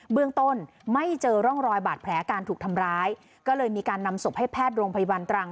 เบื้องต้นไม่เจอร่องรอยบาดแผลการถูกทำร้ายก็เลยมีการนำศพให้แพทย์โรงพยาบาลตรัง